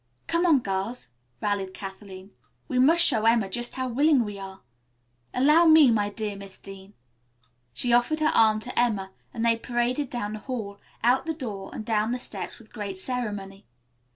"Come on, girls," rallied Kathleen. "We must show Emma just how willing we are. Allow me, my dear Miss Dean," she offered her arm to Emma, and they paraded down the hall, out the door and down the steps with great ceremony.